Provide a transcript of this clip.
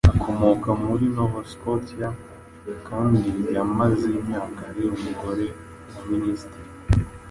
akomoka muri Nova Scotia kandi yamaze imyaka ari umugore wa minisitiri